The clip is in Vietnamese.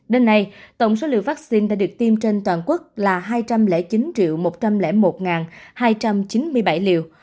đến nay tổng số liều vaccine đã được tiêm trên toàn quốc là hai trăm linh chín một trăm linh một hai trăm chín mươi bảy liều